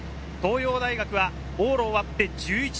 東洋大学は往路終わって１１位。